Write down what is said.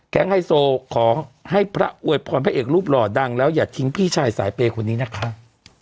ไฮโซขอให้พระอวยพรพระเอกรูปหล่อดังแล้วอย่าทิ้งพี่ชายสายเปย์คนนี้นะคะ